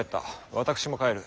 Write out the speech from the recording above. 私も帰る。